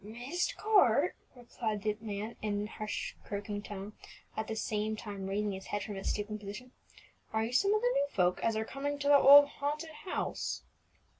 "Myst Court!" repeated the man in a harsh, croaking tone, at the same time raising his head from its stooping position. "Are you some of the new folk as are coming to the old haunted house?"